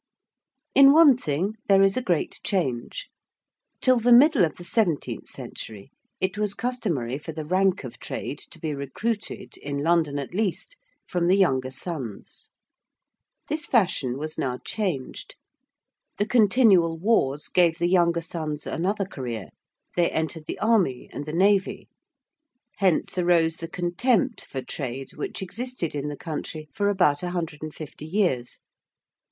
In one thing there is a great change. Till the middle of the seventeenth century it was customary for the rank of trade to be recruited in London, at least from the younger sons. This fashion was now changed. The continual wars gave the younger sons another career: they entered the army and the navy. Hence arose the contempt for trade which existed in the country for about a hundred and fifty years.